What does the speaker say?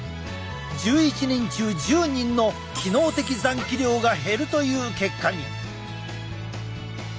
１１人中１０人の機能的残気量が減るという結果に。